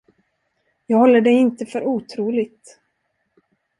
Jag håller det inte för otroligt.